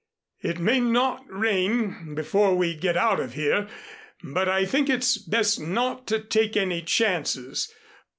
"It may not rain before we get out of here, but I think it's best not to take any chances.